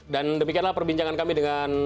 dan demikianlah perbincangan kami dengan